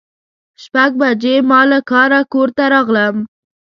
شپږ بجې ما له کاره کور ته راغلم.